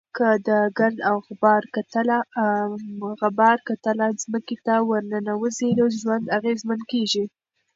که د ګرد او غبار کتل ځمکې ته ورننوزي، ژوند اغېزمن کېږي.